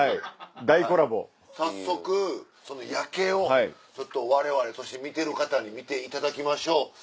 早速その夜景をちょっとわれわれそして見てる方に見ていただきましょう。